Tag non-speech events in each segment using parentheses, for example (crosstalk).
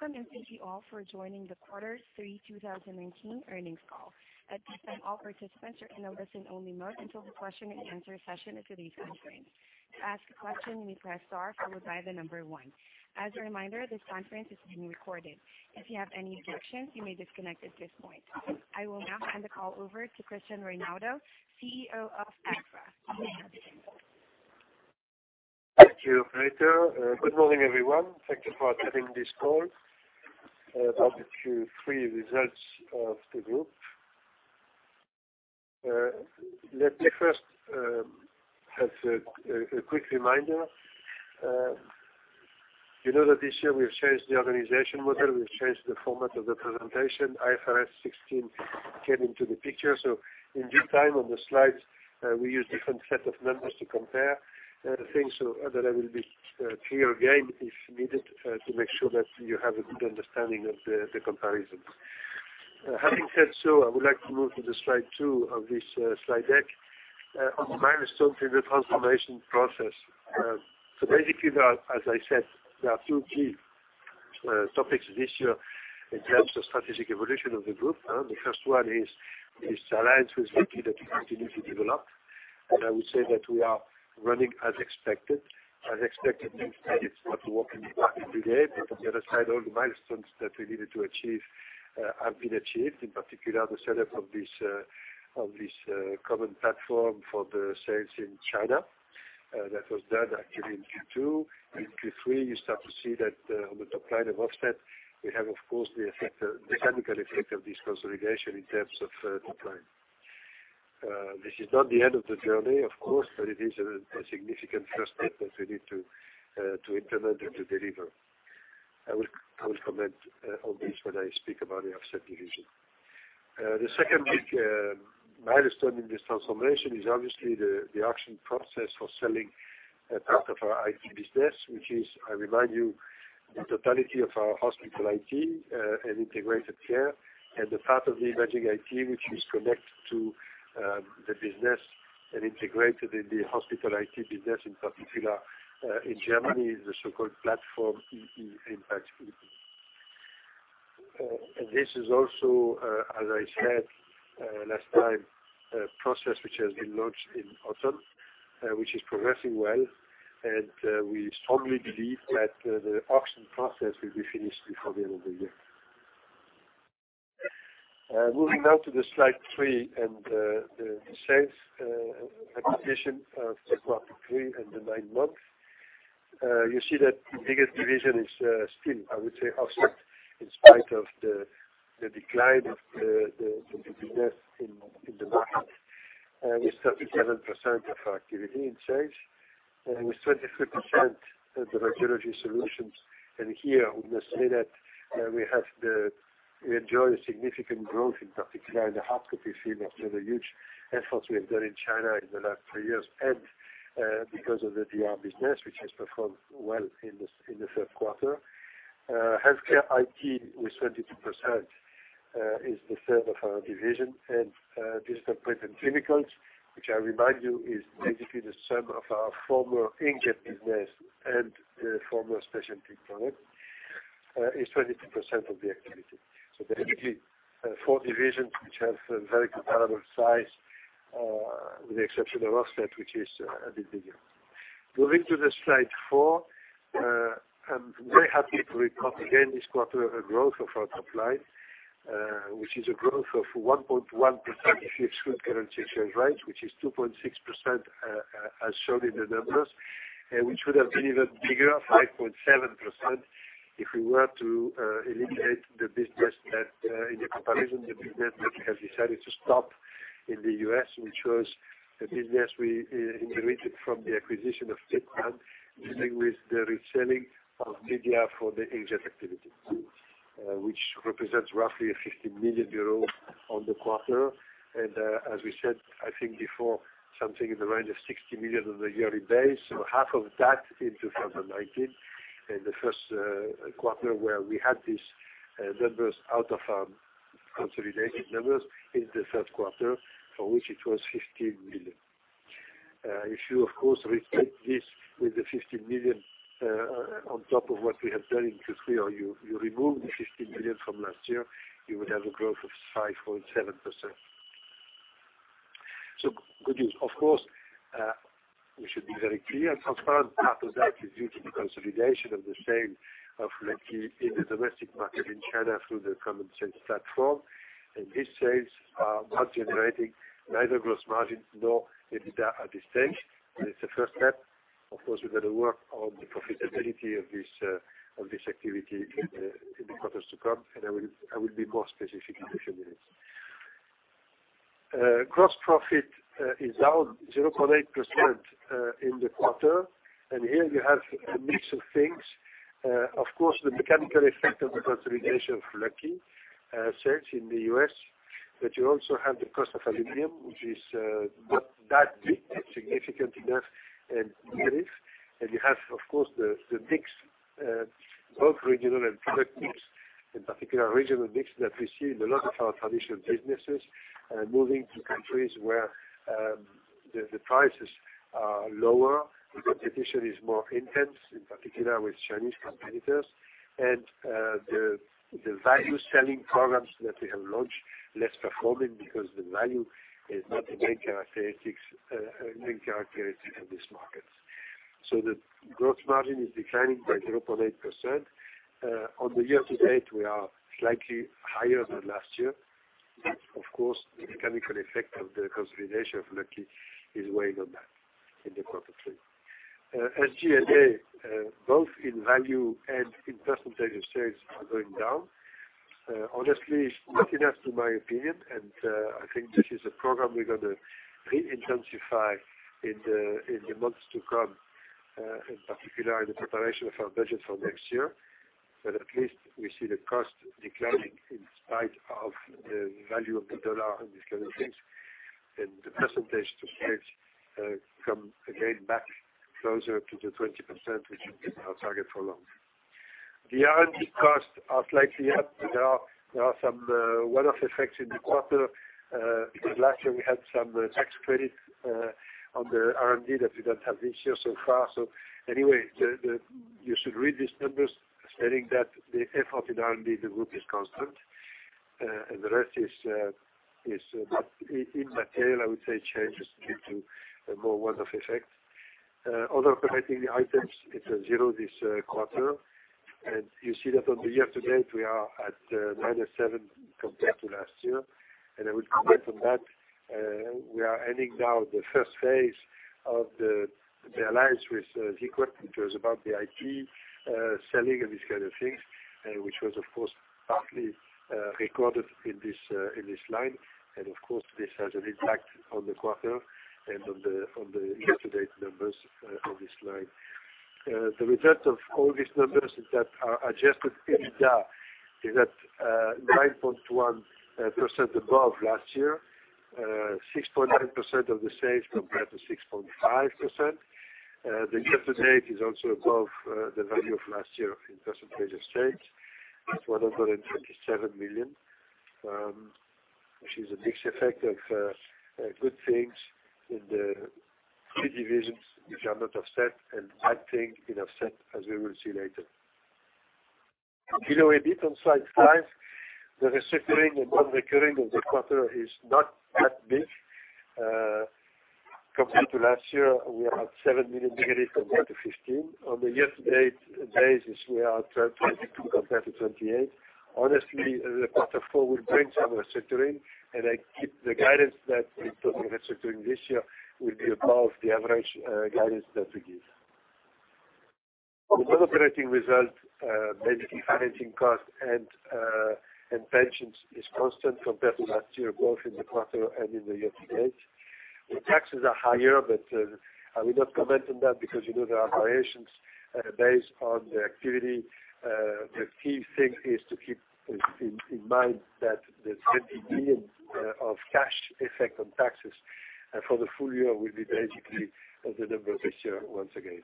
Welcome and thank you all for joining the Quarter 3 2019 earnings call. At this time, all participants are in a listen-only mode until the question and answer session of today's conference. To ask a question, you may press star, followed by number 1. As a reminder, this conference is being recorded. If you have any objections, you may disconnect at this point. I will now hand the call over to Christian Reinaudo, CEO of Agfa-Gevaert. Thank you. Good morning, everyone. Thank you for attending this call, about the Q3 results of the group. Let me first have a quick reminder. You know that this year we’ve changed the organization model, we’ve changed the format of the presentation. IFRS 16 came into the picture. In due time on the slides, we use different set of numbers to compare things, so that I will be clear again if needed, to make sure that you have a good understanding of the comparisons. Having said so, I would like to move to the slide two of this slide deck. A milestone in the transformation process. Basically, as I said, there are two key topics this year in terms of strategic evolution of the group. The first one is this alliance with Lucky that we continue to develop. I would say that we are running as expected. As expected means that it's not a walk in the park every day. On the other side, all the milestones that we needed to achieve have been achieved, in particular, the setup of this common platform for the sales in China. That was done actually in Q2. In Q3, you start to see that on the top line of Offset, we have, of course, the mechanical effect of this consolidation in terms of top line. This is not the end of the journey, of course, but it is a significant first step that we need to implement and to deliver. I will comment on this when I speak about the Offset division. The second big milestone in this transformation is obviously the auction process for selling a part of our IT business, which is, I remind you, the totality of our hospital IT and integrated care, and the part of the emerging IT which is connected to the business and integrated in the hospital IT business, in particular, in Germany, the so-called platform, Multiple Impact. This is also, as I said last time, a process which has been launched in autumn, which is progressing well. We strongly believe that the auction process will be finished before the end of the year. Moving now to the slide three and the sales acquisition of the quarter three and the nine months. You see that the biggest division is still, I would say, Offset in spite of the decline of the business in the market, with 37% of our activity in sales and with 23% of the Radiology Solutions. Here we must say that we enjoy significant growth, in particular in the hardcopy after the huge efforts we have done in China in the last three years, because of the DR business, which has performed well in the third quarter. HealthCare IT with 22% is the third of our division, Digital Print & Chemicals, which I remind you is basically the sum of our former inkjet business and former specialty product, is 22% of the activity. Basically, four divisions which have very comparable size, with the exception of Offset, which is a bit bigger. Moving to the slide four. I'm very happy to report again this quarter a growth of our top line, which is a growth of 1.1% if you exclude currency exchange rates, which is 2.6% as shown in the numbers. Which would have been even bigger, 5.7%, if we were to eliminate the business that in the comparison, the business that we have decided to stop in the U.S., which was a business we inherited from the acquisition of, (inaudible) dealing with the reselling of media for the inkjet activity, which represents roughly 15 million euro on the quarter. As we said, I think before, something in the range of 60 million on a yearly base, so half of that in 2019. The first quarter where we had these numbers out of our consolidated numbers is the third quarter, for which it was 15 million. If you, of course, restate this with the 15 million on top of what we have done in Q3, or you remove the 15 million from last year, you would have a growth of 5.7%. Good news. Of course, we should be very clear and transparent. Part of that is due to the consolidation of the sale of Lucky in the domestic market in China through the common sales platform. These sales are not generating neither gross margins nor EBITDA at this stage. It's the first step. Of course, we're going to work on the profitability of this activity in the quarters to come, and I will be more specific in a few minutes. Gross profit is out 0.8% in the quarter. Here you have a mix of things. Of course, the mechanical effect of the consolidation of Lucky sales in the U.S., you also have the cost of aluminum, which is not that big or significant enough, you have, of course, the mix, both regional and product mix. In particular, regional mix that we see in a lot of our traditional businesses, moving to countries where the prices are lower, the competition is more intense, in particular with Chinese competitors. The value selling programs that we have launched, less performing because the value is not the main characteristic of these markets. The growth margin is declining by 0.8%. On the year-to-date, we are slightly higher than last year. Of course, the mechanical effect of the consolidation of Lucky is weighing on that in the quarter 3. SG&A, both in value and in percentage of sales, are going down. Honestly, not enough to my opinion, and I think this is a program we're going to re-intensify in the months to come, in particular in the preparation of our budget for next year. At least we see the cost declining in spite of the value of the dollar and these kind of things. The percentage of sales come again back closer to the 20%, which has been our target for long. The R&D costs are slightly up. There are some one-off effects in the quarter, because last year we had some tax credit on the R&D that we don't have this year so far. Anyway, you should read these numbers assuming that the effort in R&D, the group is constant. The rest is immaterial, I would say, changes due to more one-off effects. Other operating items, it's a zero this quarter. You see that on the year-to-date, we are at minus seven compared to last year. I would comment on that. We are ending now the first phase of the alliance with Xeikon, which was about the IT selling and this kind of things, which was, of course, partly recorded in this line. Of course, this has an impact on the quarter and on the year-to-date numbers on this line. The result of all these numbers is that our adjusted EBITDA is at 9.1% above last year, 6.9% of the sales compared to 6.5%. The year-to-date is also above the value of last year in percentage of sales. It's 127 million, which is a mixed effect of good things in the three divisions, which are not offset, and I think it offset, as we will see later. If you go a bit on slide five, the restructuring and non-recurring of the quarter is not that big. Compared to last year, we are at 7 million compared to 15 million. On the year-to-date basis, we are at 22 million compared to 28 million. Honestly, the quarter four will bring some restructuring. I keep the guidance that in terms of restructuring this year will be above the average guidance that we give. The non-operating result, basically financing costs and pensions, is constant compared to last year, both in the quarter and in the year-to-date. The taxes are higher. I will not comment on that because you know there are variations based on the activity. The key thing is to keep in mind that the 20 million of cash effect on taxes for the full year will be basically the number this year, once again.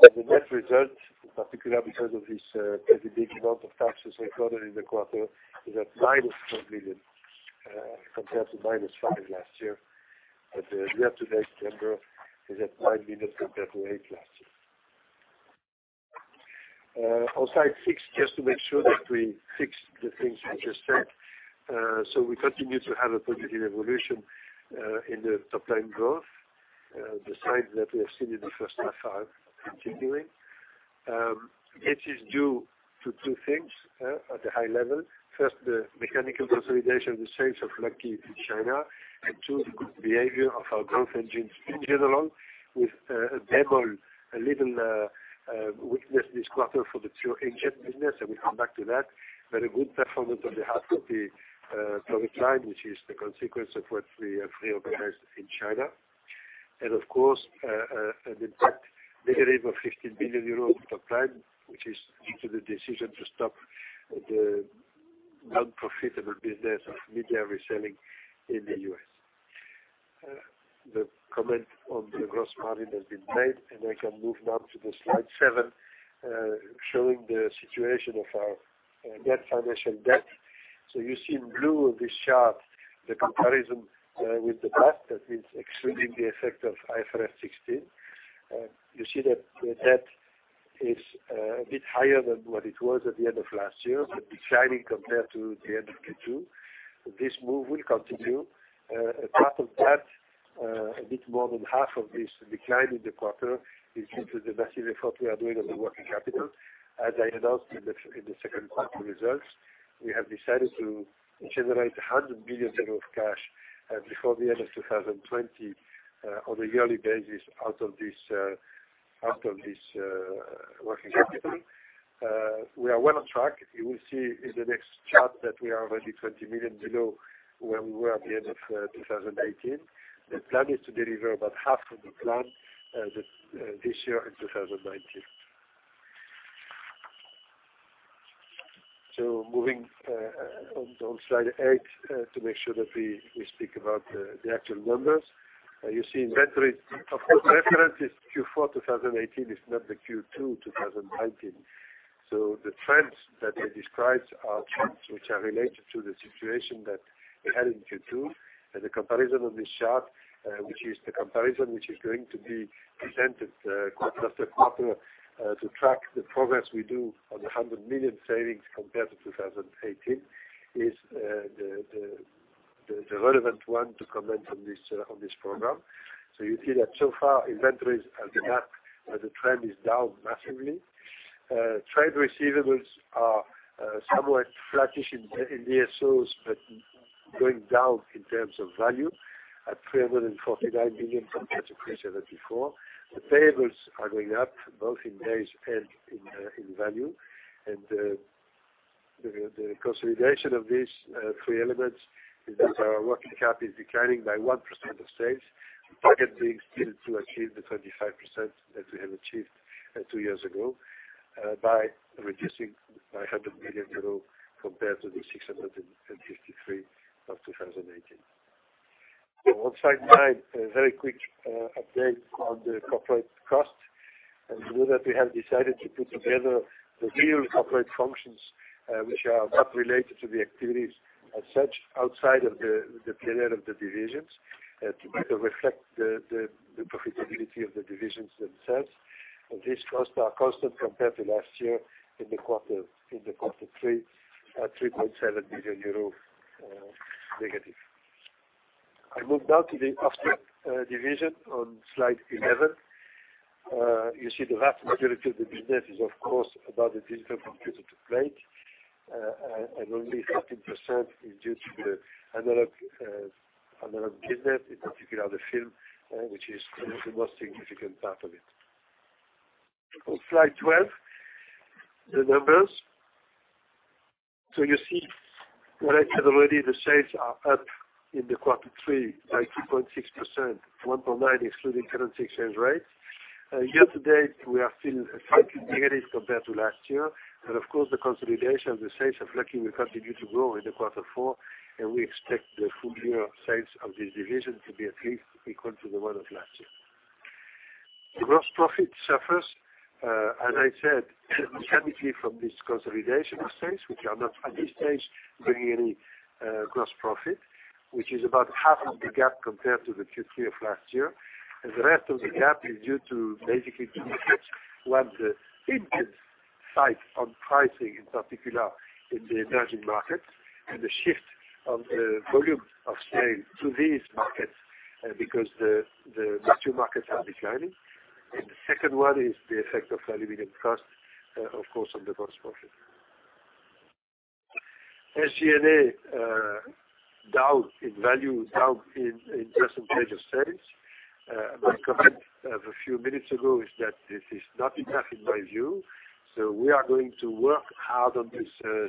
The net result, in particular because of this pretty big amount of taxes recorded in the quarter, is at -12 million, compared to -5 million last year. The year-to-date number is at 9 million compared to 8 million last year. On slide six, just to make sure that we fix the things we just said. We continue to have a positive evolution in the top-line growth. The signs that we have seen in the first half are continuing. It is due to two things at a high level. First, the mechanical consolidation of the sales of Lucky in China, and two, the good behavior of our growth engines in general, with a little weakness this quarter for the pure inkjet business, and we'll come back to that. A good performance on behalf of the public cloud, which is the consequence of what we have reorganized in China. Of course, an impact negative of EUR 15 million on top line, which is due to the decision to stop the non-profitable business of media reselling in the U.S. The comment on the gross margin has been made, and I can move now to the slide seven, showing the situation of our net financial debt. You see in blue on this chart, the comparison with the past, that means excluding the effect of IFRS 16. You see that the debt is a bit higher than what it was at the end of last year, but declining compared to the end of Q2. This move will continue. A bit more than half of this decline in the quarter is due to the massive effort we are doing on the working capital. As I announced in the second quarter results, we have decided to generate 100 million euros of cash before the end of 2020 on a yearly basis out of this working capital. We are well on track. You will see in the next chart that we are already 20 million below where we were at the end of 2018. The plan is to deliver about half of the plan this year in 2019. Moving on slide eight to make sure that we speak about the actual numbers. You see inventories, of course, reference is Q4 2018, it's not the Q2 2019. The trends that I described are trends which are related to the situation that we had in Q2, and the comparison on this chart, which is the comparison which is going to be presented quarter after quarter to track the progress we do on the 100 million savings compared to 2018, is the relevant one to comment on this program. Trade receivables are somewhat flattish in DSOs, but going down in terms of value at 349 million compared to 374 million. The payables are going up both in days and in value. The consolidation of these three elements is that our working cap is declining by 1% of sales, the target being still to achieve the 35% that we have achieved two years ago by reducing by 100 million euro compared to the 653 million of 2018. On slide nine, a very quick update on the corporate costs. As you know, that we have decided to put together the real corporate functions, which are not related to the activities as such outside of the P&L of the divisions to better reflect the profitability of the divisions themselves. These costs are constant compared to last year in the quarter three at 3.7 million euro negative. I move now to the offset division on slide 11. You see the vast majority of the business is, of course, about the digital computer to plate. Only 13% is due to the analog business, in particular, the film, which is the most significant part of it. On slide 12, the numbers. You see what I said already, the sales are up in the quarter three by 3.6%, 1.9% excluding currency exchange rates. Year to date, we are still slightly negative compared to last year. Of course, the consolidation of the sales of Lucky will continue to grow in the quarter four, and we expect the full year of sales of this division to be at least equal to the one of last year. Gross profit suffers, as I said, mechanically from this consolidation of sales, which are not at this stage bringing any gross profit, which is about half of the gap compared to the Q3 of last year. The rest of the gap is due to basically two effects. The impact side on pricing, in particular in the emerging markets, and the shift of the volume of sales to these markets, because the mature markets are declining. The second one is the effect of aluminum costs, of course, on the gross profit. SG&A, down in value, down in % of sales. My comment of a few minutes ago is that this is not enough in my view. We are going to work hard on this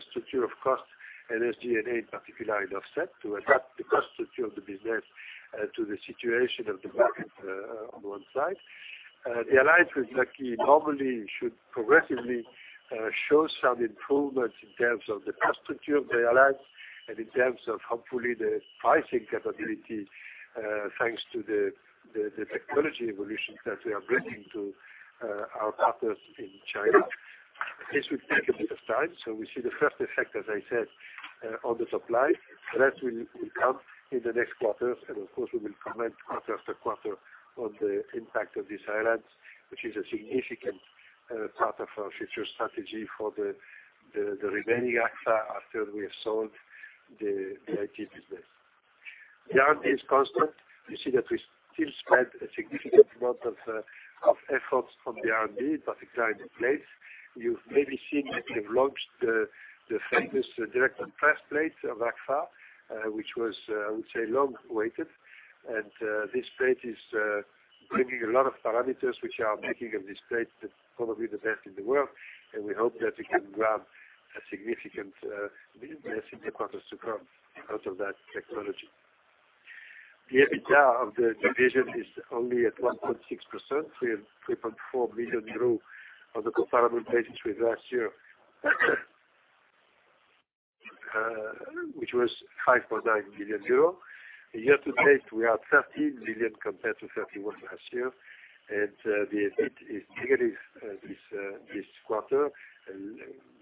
structure of cost and SG&A, in particular, in offset, to adapt the cost structure of the business to the situation of the market on one side. The alliance with Lucky normally should progressively show some improvements in terms of the cost structure of the alliance and in terms of, hopefully, the pricing capability, thanks to the technology evolution that we are bringing to our partners in China. This will take a bit of time. We see the first effect, as I said, on the top line. The rest will come in the next quarters, and of course, we will comment quarter after quarter on the impact of this alliance, which is a significant part of our future strategy for the remaining Agfa after we have sold the IT business. The R&D is constant. You see that we still spend a significant amount of efforts on the R&D, in particular, in plates. You've maybe seen that we have launched the famous direct to press plate of Agfa, which was, I would say, long awaited. This plate is bringing a lot of parameters which are making of this plate probably the best in the world, and we hope that we can grab a significant business in the quarters to come out of that technology. The EBITDA of the division is only at 1.6%, 3.4 million euro on the comparable basis with last year, which was 5.9 million euro. Year to date, we are 30 million compared to 31 last year. The EBIT is negative this quarter,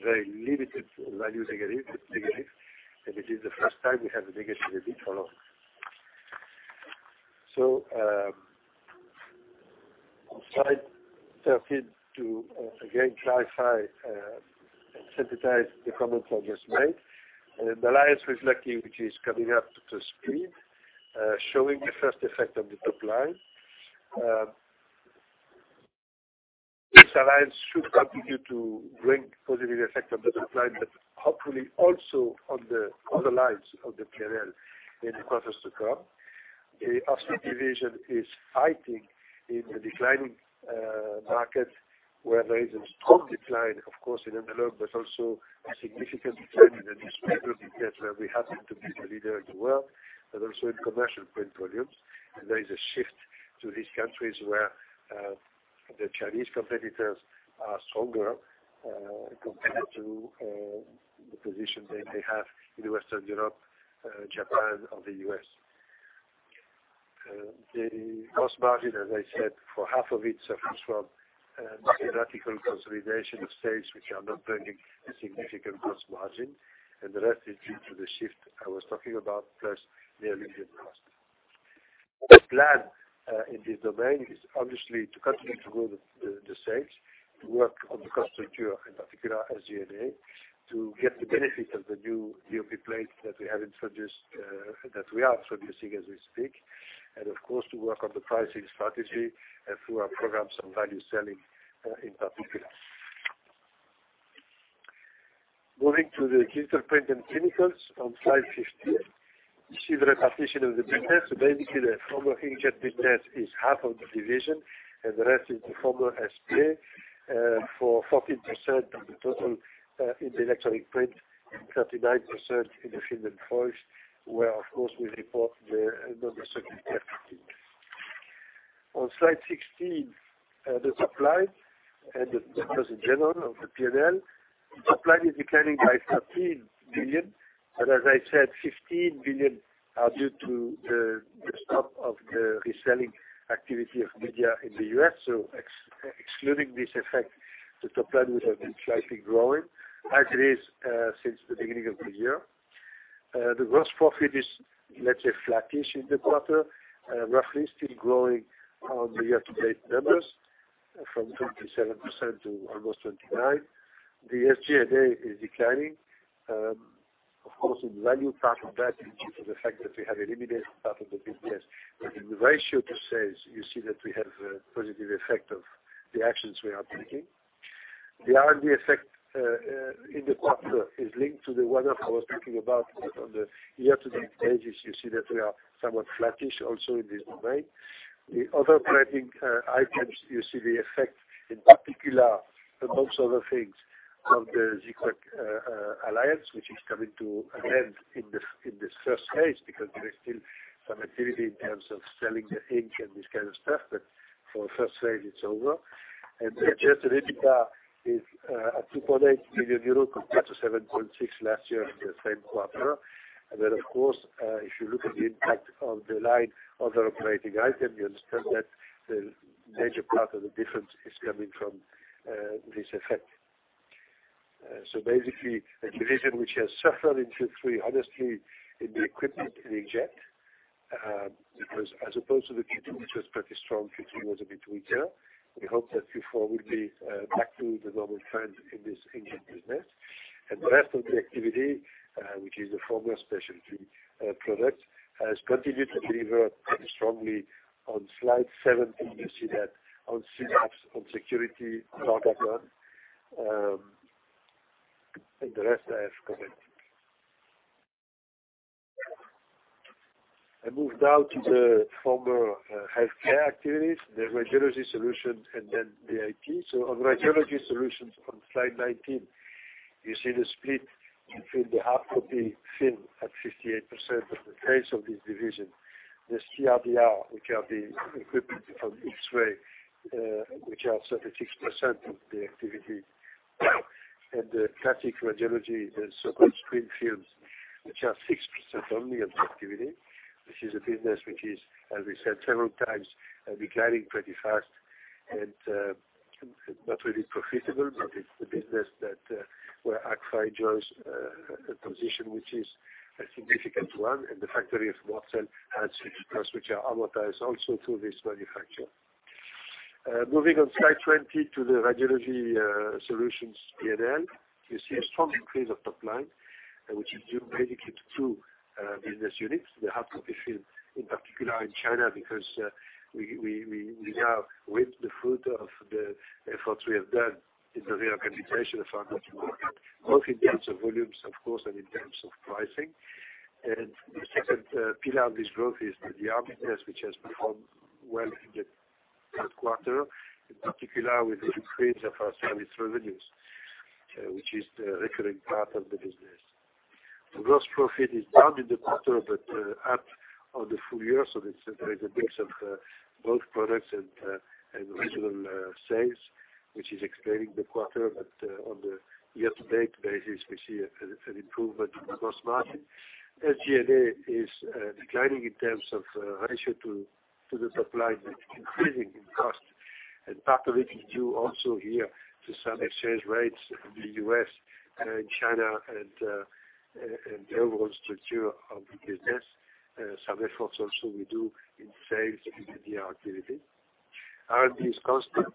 very limited value negative, and it is the first time we have a negative EBIT for long. On slide 13, to again clarify and synthesize the comments I just made. The alliance with Lucky, which is coming up to speed, showing the first effect on the top line. This alliance should continue to bring positive effect on the top line, but hopefully also on the other lines of the P&L in the quarters to come. The offset division is fighting in the declining market where there is a strong decline, of course, in analog, but also a significant decline in the digital because where we happen to be the leader in the world, but also in commercial print volumes. There is a shift to these countries where the Chinese competitors are stronger compared to the position they may have in Western Europe, Japan, or the U.S. The gross margin, as I said, for half of it suffers from the radical consolidation of sales, which are not bringing a significant gross margin. The rest is due to the shift I was talking about, plus the premium cost. The plan in this domain is obviously to continue to grow the sales, to work on the cost structure, in particular SG&A, to get the benefit of the new VCF plate that we are introducing as we speak, and of course, to work on the pricing strategy and through our programs on value selling in particular. Moving to the Digital Print & Chemicals on slide 15. You see the repetition of the business. Basically, the former inkjet business is half of the division, and the rest is the former SPA for 14% of the total in the Electronic Print, 39% in the Films and Foils, where, of course, we report the number of. On slide 16, the top line and the numbers in general of the P&L. Top line is declining by 13 billion. As I said, 15 billion are due to the stop of the reselling activity of media in the U.S. Excluding this effect, the top line would have been slightly growing, as it is since the beginning of the year. The gross profit is, let's say, flattish in the quarter, roughly still growing on the year-to-date numbers from 27% to almost 29%. The SG&A is declining. Of course, the value part of that is due to the fact that we have eliminated part of the business. In the ratio to sales, you see that we have a positive effect of the actions we are taking. The R&D effect in the quarter is linked to the one-off I was talking about. On the year-to-date pages, you see that we are somewhat flattish also in this domain. The other operating items, you see the effect in particular amongst other things on the Xeikon alliance, which is coming to an end in this first phase because there is still some activity in terms of selling the ink and this kind of stuff. For the first phase, it's over. The adjusted EBITDA is at 2.8 million euro compared to 7.6 last year in the same quarter. Then, of course, if you look at the impact on the line other operating item, you understand that the major part of the difference is coming from this effect. Basically, a division which has suffered in Q3, honestly, in the equipment, in the jet, because as opposed to the Q2, which was pretty strong, Q3 was a bit weaker. We hope that Q4 will be back to the normal trend in this inkjet business. The rest of the activity, which is the former specialty product, has continued to deliver pretty strongly. On slide 17, you see that on SYNAPS, on Security, Carbon, and the rest I have commented. I move now to the former healthcare activities, the Radiology Solutions, and then VIP. On Radiology Solutions on slide 19, you see the split between the hardcopy film at 58% of the sales of this division. The CR/DR, which are the equipment from X-ray, which are 36% of the activity. The classic radiology, the so-called screen films, which are 6% only of the activity. This is a business which is, as we said several times, declining pretty fast and not really profitable, but it's the business where Agfa enjoys a position which is a significant one, and the factory of Mortsel has fixed costs which are amortized also through this manufacture. Moving on slide 20 to the Radiology Solutions P&L. You see a strong increase of top line, which is due basically to two business units. The hardcopy film, in particular in China, because we now reap the fruit of the efforts we have done in the reorganization of our market, both in terms of volumes, of course, and in terms of pricing. The second pillar of this growth is the DR business, which has performed well in the third quarter, in particular with the increase of our service revenues, which is the recurring part of the business. The gross profit is down in the quarter but up on the full year. There is a mix of both products and regional sales which is explaining the quarter. On the year-to-date basis, we see an improvement in the gross margin. SG&A is declining in terms of ratio to the top line, but increasing in cost. Part of it is due also here to some exchange rates in the U.S. and China and the overall structure of the business. Some efforts also we do in sales in the DR activity. R&D is constant,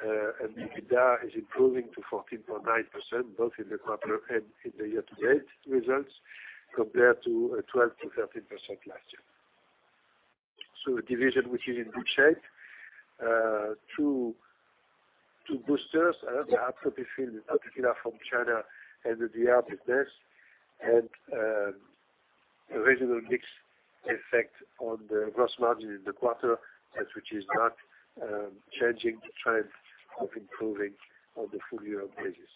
the EBITDA is improving to 14.9%, both in the quarter and in the year-to-date results compared to 12%-13% last year. A division which is in good shape. Two boosters, the hardcopy film, in particular from China and the DR business, and a reasonable mix effect on the gross margin in the quarter, but which is not changing the trend of improving on the full year basis.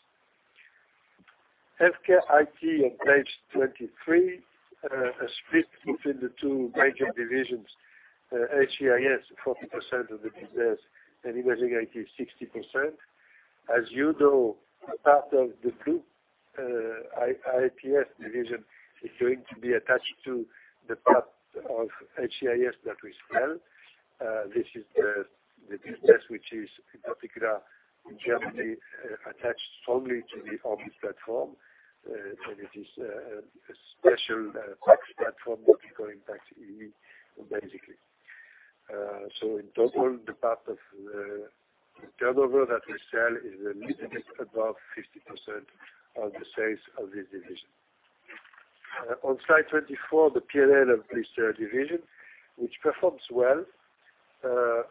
HealthCare IT on page 23, a split between the two major divisions, HCIS, 40% of the business, and Imaging IT, 60%. As you know, a part of the group, IPS division, is going to be attached to the part of HCIS that we sell. This is the business which is, in particular, in Germany, attached only to the ORBIS platform. It is a special platform, Multiple Impact, basically. In total, the part of the turnover that we sell is a little bit above 50% of the sales of this division. On slide 24, the P&L of this division, which performs well. 5%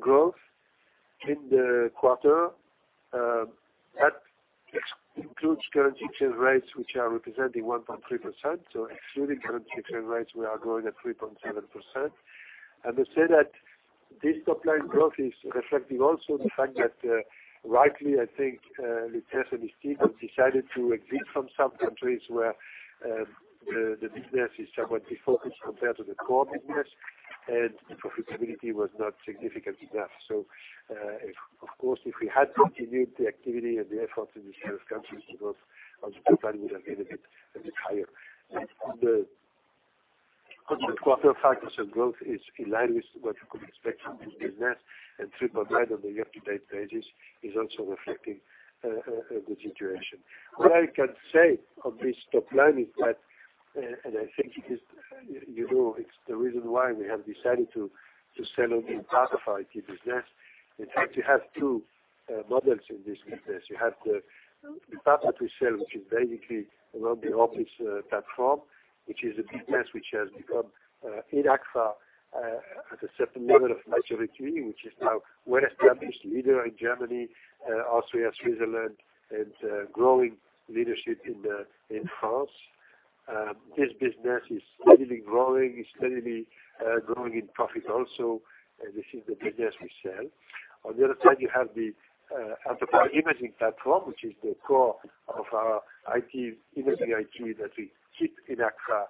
growth in the quarter. That includes currency exchange rates, which are representing 1.3%. Excluding currency exchange rates, we are growing at 3.7%. To say that this top-line growth is reflecting also the fact that rightly, I think, Luc and his team have decided to exit from some countries where the business is somewhat defocused compared to the core business, and the profitability was not significant enough. Of course, if we had continued the activity and the effort in these few countries, the growth of the company would have been a bit higher. The quarter 5% growth is in line with what you could expect from this business, and 3.9 on the year-to-date basis is also reflecting the situation. What I can say on this top line is that, and I think you know it's the reason why we have decided to sell only part of our IT business. In fact, you have two models in this business. You have the part that we sell, which is basically around the ORBIS platform, which is a business which has become in Agfa at a certain level of maturity, which is now well established, either in Germany, Austria, Switzerland, and growing leadership in France. This business is steadily growing, it's steadily growing in profit also, and this is the business we sell. On the other side, you have the (inaudible) imaging platform, which is the core of our Imaging IT that we keep in Agfa,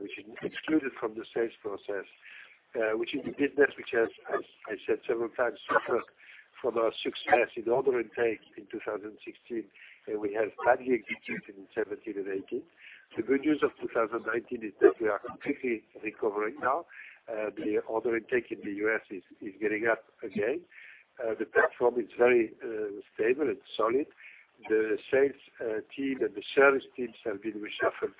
which is excluded from the sales process, which is the business which has, as I said several times, suffered from our success in order intake in 2016, and we have badly executed in 2017 and 2018. The good news of 2019 is that we are completely recovering now. The order intake in the U.S. is getting up again. The platform is very stable and solid. The sales team and the service teams have been reshuffled.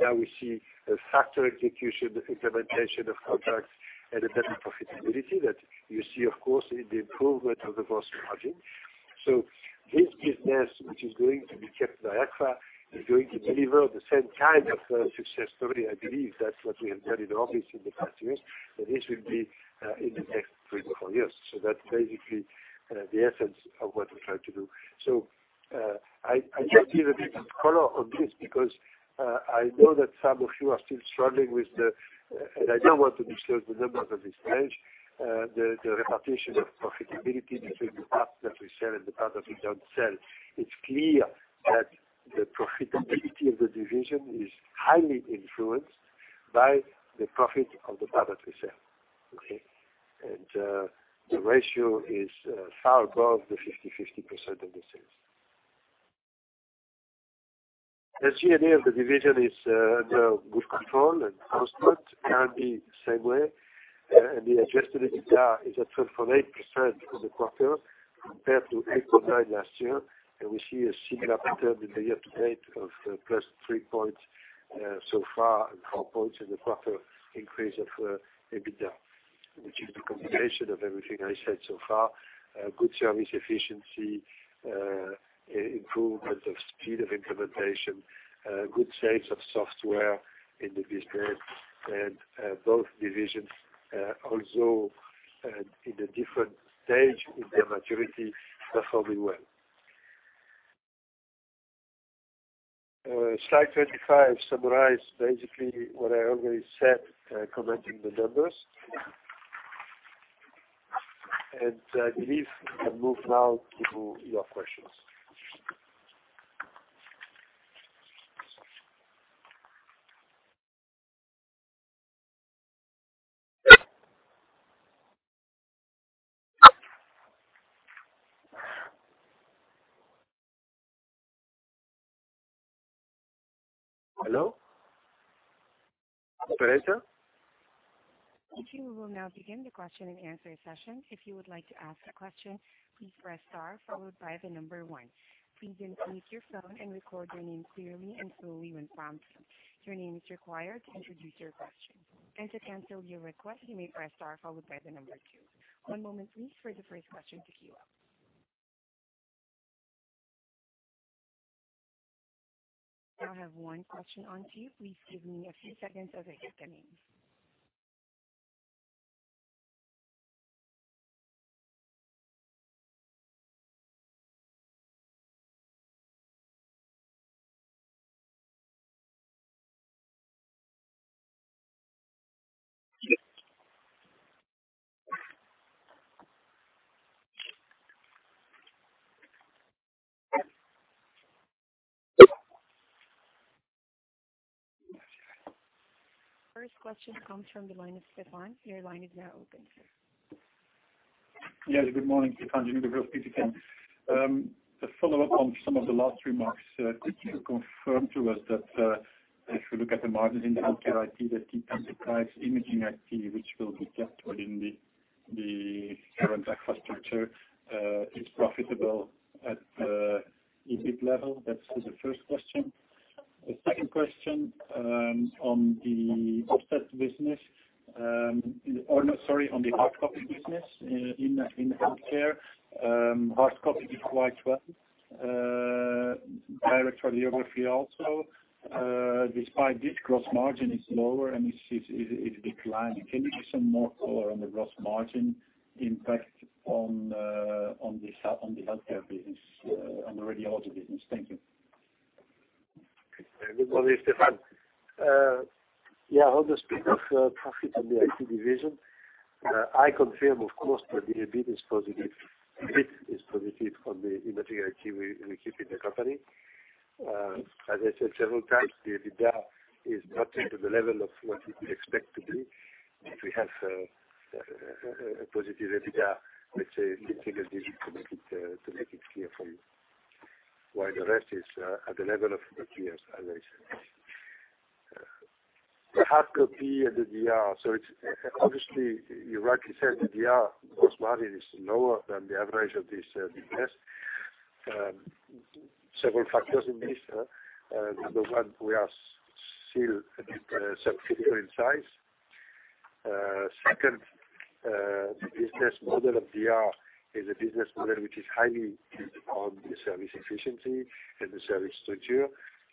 Now we see a faster execution, implementation of contracts, and a better profitability that you see, of course, in the improvement of the gross margin. This business, which is going to be kept by Agfa, is going to deliver the same kind of success story. I believe that's what we have done in Offset Solutions in the past years, and this will be in the next three to four years. That's basically the essence of what we're trying to do. I just give a bit of color on this because I know that some of you are still struggling with the. I don't want to disclose the numbers on this page. The reputation of profitability between the parts that we sell and the parts that we don't sell. It's clear that the profitability of the division is highly influenced by the profit of the part that we sell. Okay? The ratio is far above the 50/50% of the sales. The CNA of the division is under good control, and transport can be the same way. The adjusted EBITDA is at 12.8% for the quarter compared to 8.9% last year. We see a similar pattern in the year-to-date of plus 3 points so far and 4 points in the quarter increase of EBITDA, which is the combination of everything I said so far: good service efficiency, improvement of speed of implementation, good sales of software in the business, and both divisions, although in a different stage in their maturity, performing well. Slide 25 summarizes basically what I already said, commenting the numbers. I believe I move now to your questions. Hello? Teresa? Okay, we will now begin the question and answer session. If you would like to ask a question, please press star followed by the number one. Please unmute your phone and record your name clearly and slowly when prompted. Your name is required to introduce your question. To cancel your request, you may press star followed by the number two. One moment please for the first question to queue up. I have one question on queue. Please give me a few seconds as I get the names. First question comes from the line of Stefan. Your line is now open, sir. Yes, good morning. Stefan, J.P. Morgan. To follow up on some of the last remarks, could you confirm to us that if you look at the margins in the HealthCare IT, that it enterprise Imaging IT, which will be kept within the current infrastructure, it's profitable at EBIT level? That is the first question. The second question, on the offset business. No, sorry, on the hardcopy business in healthcare. hardcopy did quite well. Direct Radiography also. Despite this, gross margin is lower and it's declining. Can you give some more color on the gross margin impact on the HealthCare business, on the Radiology Solutions business? Thank you. Good morning, Stefan. Yeah, on the speed of profit on the IT division, I confirm, of course, that the EBIT is positive. EBIT is positive on the imaging IT we keep in the company. As I said several times, the EBITDA is not into the level of what we expect it to be. If we have a positive EBITDA, let's say, we think it is to make it clear for you. While the rest is at the level of the previous, as I said. The hardcopy and the DR. Obviously, you rightly said the DR gross margin is lower than the average of this business. Several factors in this. Number 1, we are still a bit smaller in size. Second, the business model of DR is a business model which is highly on the service efficiency and the service structure.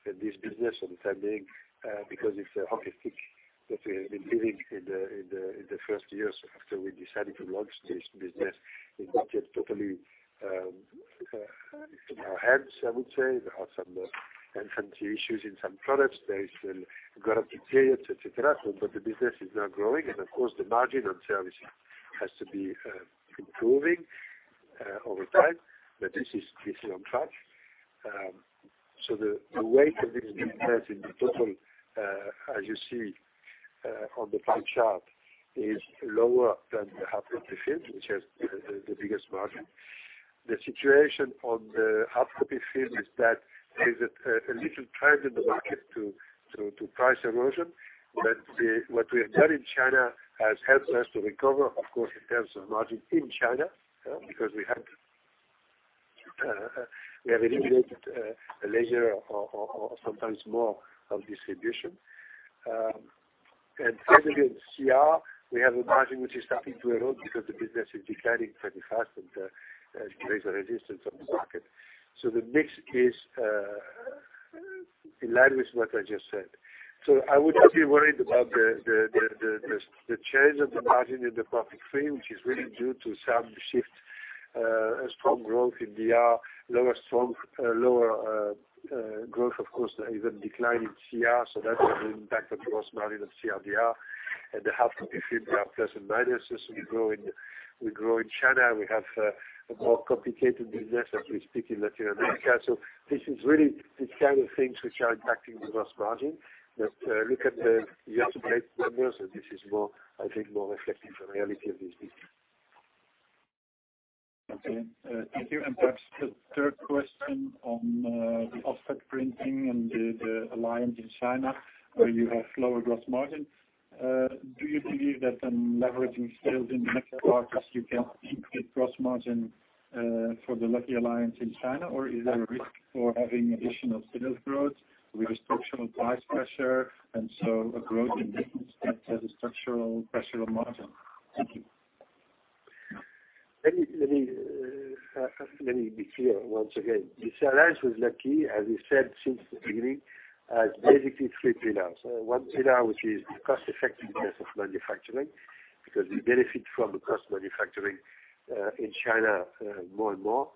This business understanding, because it's a hockey stick that we have been living in the first years after we decided to launch this business, is not yet totally in our hands, I would say. There are some infancy issues in some products. There is the guarantee periods, et cetera. The business is now growing, and of course, the margin on service has to be improving over time. This is on track. The weight of this business in the total, as you see on the pie chart, is lower than the hardcopy field, which has the biggest margin. The situation on the hardcopy field is that there's a little trend in the market to price erosion. What we have done in China has helped us to recover, of course, in terms of margin in China, because we have eliminated a layer or sometimes more of distribution. Certainly in CR, we have a margin which is starting to erode because the business is declining pretty fast, and there is a resistance on the market. The mix is in line with what I just said. I would not be worried about the change of the margin in the profit stream, which is really due to some shift. A strong growth in DR, lower growth, of course, even decline in CR, so that's having impact on gross margin of CR, DR. The hardcopy film, there are plus and minuses. We grow in China. We have a more complicated business as we speak in Latin America. This is really the kind of things which are impacting the gross margin. Look at the underlying numbers, and this is, I think, more reflective of the reality of this business. Okay. Thank you. Perhaps the third question on the offset printing and the alliance in China, where you have lower gross margin. Do you believe that on leveraging sales in the next quarters, you can increase gross margin for the Lucky alliance in China? Is there a risk for having additional sales growth with structural price pressure and so a growth in business, but a structural pressure on margin? Thank you. Let me be clear once again. This alliance with Lucky, as we said since the beginning, has basically three pillars. One pillar, which is the cost effectiveness of manufacturing, because we benefit from the cost manufacturing in China more and more.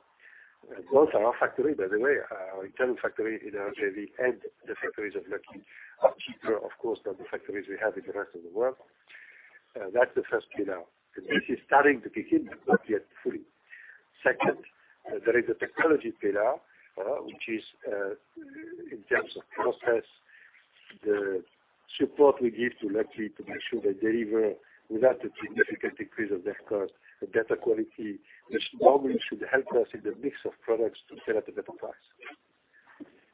Both our factories, by the way, our internal factory in our JV and the factories of Lucky, are cheaper, of course, than the factories we have in the rest of the world. That's the first pillar. This is starting to kick in, but not yet fully. Second, there is a technology pillar, which is in terms of process, the support we give to Lucky to make sure they deliver without a significant increase of their cost, a better quality, which normally should help us in the mix of products to sell at a better price.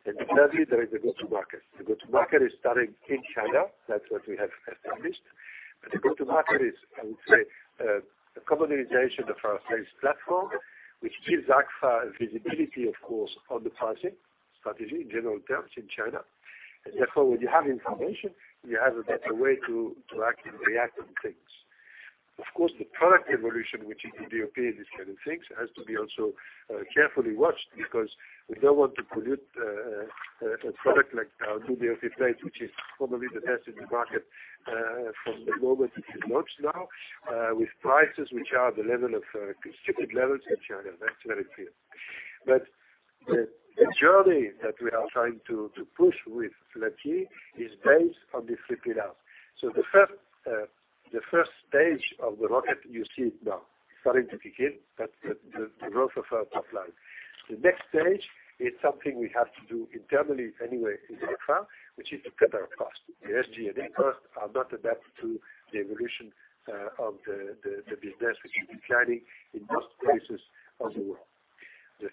Thirdly, there is the go-to-market. The go-to-market is starting in China. That's what we have established. The go-to-market is, I would say, a common utilization of our sales platform, which gives Agfa visibility, of course, on the pricing strategy in general terms in China. Therefore, when you have information, you have a better way to act and react on things. Of course, the product evolution, which in the DFE is kind of fixed, has to be also carefully watched because we don't want to produce a product like our JDF plate, which is probably the best in the market from the moment it is launched now, with prices which are the level of restricted levels in China. That's very clear. The journey that we are trying to push with Lucky is based on these three pillars. The first stage of the rocket you see now starting to kick in, that's the growth of our top line. The next stage is something we have to do internally anyway in Agfa, which is to cut our costs. The SG&A costs are not adapt to the evolution of the business, which is declining in most places of the world. There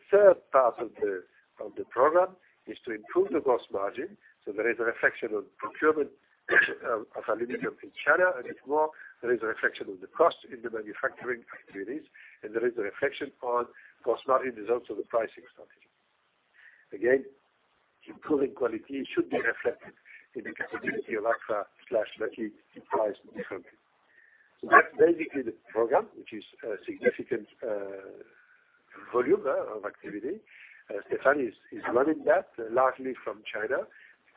is a reflection on procurement of our limited in China, and if more, there is a reflection on the cost in the manufacturing activities, and there is a reflection on gross margin results of the pricing strategy. Again, improving quality should be reflected in the capability of Agfa/Lucky to price differently. That's basically the program, which is a significant volume of activity. Stefan is running that largely from China,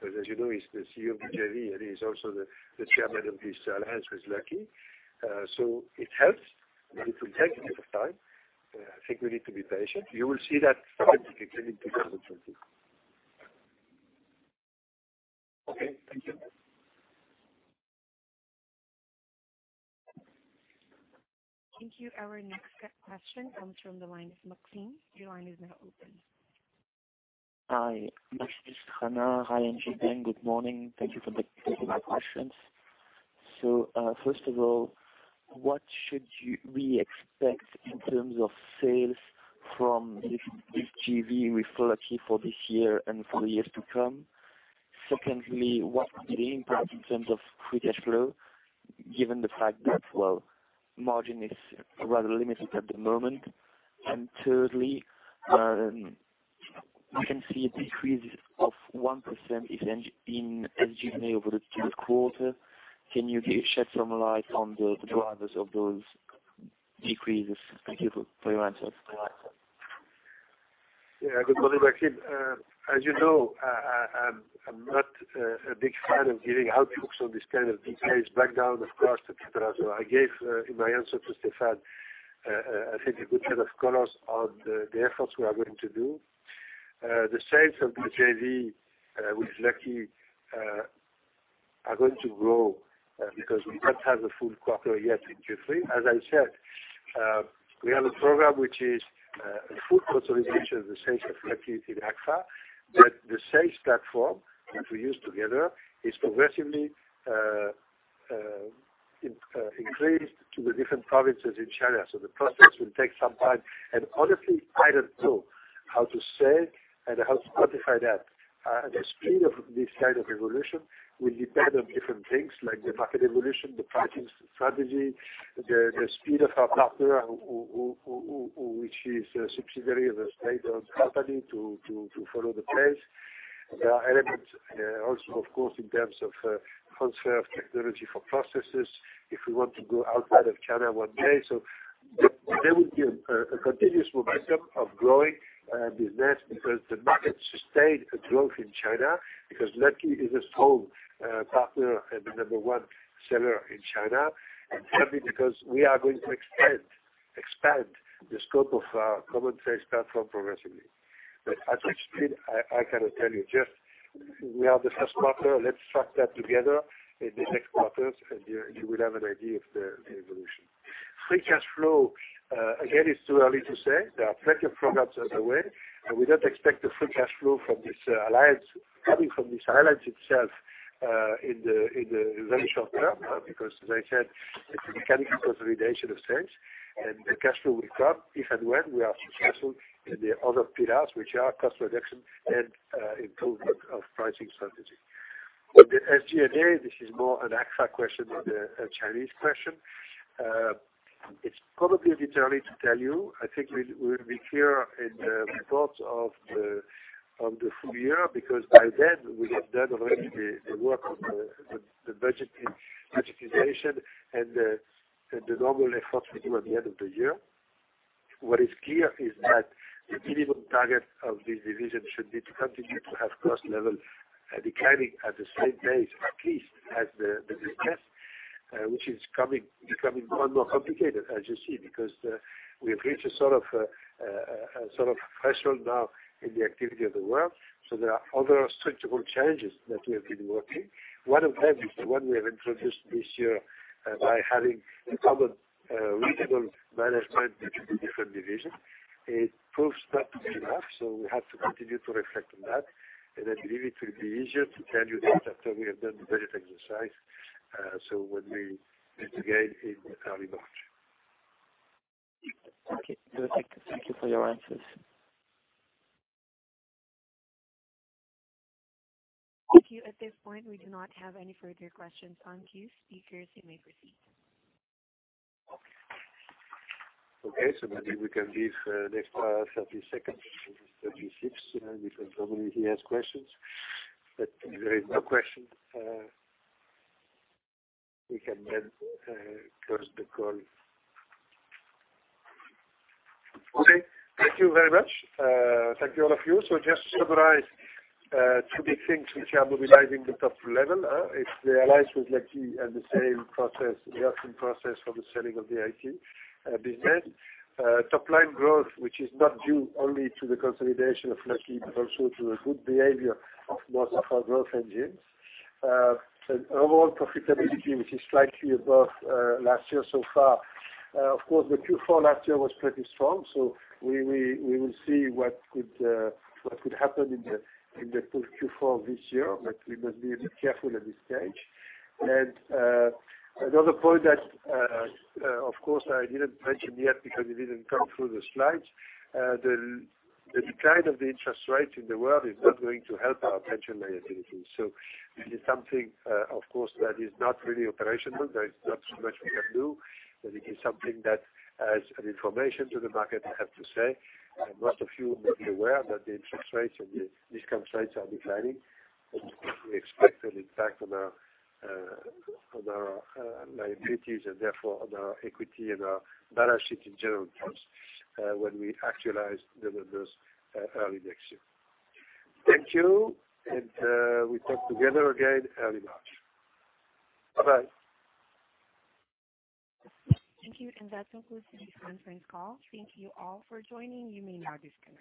because as you know, he's the CEO of the JV and he's also the chairman of this alliance with Lucky. It helps, but it will take a bit of time. I think we need to be patient. You will see that starting to kick in in 2023. Okay, thank you. Thank you. Our next question comes from the line of Maxime. Your line is now open. Hi. Maxime Stranart. Hi, Jean. Good morning. Thank you for taking my questions. First of all, what should we expect in terms of sales from this JV with Lucky for this year and for years to come? Secondly, what will be the impact in terms of free cash flow, given the fact that margin is rather limited at the moment? Thirdly, we can see a decrease of 1% in SG&A over the Q quarter. Can you shed some light on the drivers of those decreases? Thank you for your answers. Bye-bye. Yeah. Good morning, Maxime. As you know, I'm not a big fan of giving outlooks on this kind of details, breakdown of costs, et cetera. I gave, in my answer to Stefan, I think a good set of colors on the efforts we are going to do. The sales of the JV with Lucky are going to grow because we not have a full quarter yet in Q3. As I said, we have a program which is a full consolidation of the sales of Lucky with Agfa, but the sales platform that we use together is progressively increased to the different provinces in China. The process will take some time, and honestly, I don't know how to say and how to quantify that. The speed of this kind of evolution will depend on different things, like the market evolution, the pricing strategy, the speed of our partner, which is a subsidiary of a state-owned company, to follow the pace. There are elements also, of course, in terms of transfer of technology for processes if we want to go outside of China one day. There will be a continuous momentum of growing business because the market sustained a growth in China because Lucky is a strong partner and the number one seller in China, and thirdly, because we are going to expand the scope of our common sales platform progressively. At which speed, I cannot tell you. Just we are the first partner, let's track that together in the next quarters, and you will have an idea of the evolution. Free cash flow, again, it's too early to say. There are plenty of programs on the way. We don't expect the free cash flow coming from this alliance itself in the very short term, because as I said, it's a mechanical consolidation of sales, and the cash flow will come if and when we are successful in the other pillars, which are cost reduction and improvement of pricing strategy. The SG&A, this is more an Agfa question than a Chinese question. It's probably a bit early to tell you. I think we will be clearer in the reports of the full year, because by then we will have done already the work on the budgetization and the normal efforts we do at the end of the year. What is clear is that the minimum target of this division should be to continue to have cost level declining at the same pace at least as the business, which is becoming more and more complicated, as you see, because we have reached a sort of threshold now in the activity of the world. There are other structural changes that we have been working. One of them is the one we have introduced this year by having a common regional management between different divisions. It proves not to be enough, so we have to continue to reflect on that. I believe it will be easier to tell you that after we have done the budget exercise, so when we meet again in early March. Okay. Thank you for your answers. Thank you. At this point, we do not have any further questions on queue. Speakers, you may proceed. Okay, maybe we can leave the next 30 seconds for Mr. De Schryver, because normally he has questions. If there is no question, we can then close the call. Okay. Thank you very much. Thank you, all of you. Just to summarize, two big things which are mobilizing the top level. It's the alliance with Lucky and the same process, the auction process for the selling of the IT business. Top line growth, which is not due only to the consolidation of Lucky, but also to a good behavior of most of our growth engines. Overall profitability, which is slightly above last year so far. Of course, the Q4 last year was pretty strong, so we will see what could happen in the full Q4 this year, but we must be a bit careful at this stage. Another point that, of course, I didn't mention yet because it didn't come through the slides. The decline of the interest rate in the world is not going to help our pension liabilities. This is something, of course, that is not really operational. There is not so much we can do, but it is something that as an information to the market, I have to say. Most of you may be aware that the interest rates and the discount rates are declining, and we expect an impact on our liabilities and therefore on our equity and our balance sheet in general terms, when we actualize the numbers early next year. Thank you, and we talk together again early March. Bye-bye. Thank you. That concludes today's conference call. Thank you all for joining. You may now disconnect.